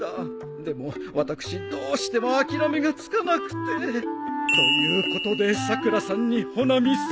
でも私どうしても諦めがつかなくて。ということでさくらさんに穂波さん。